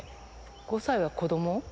５歳は子ども？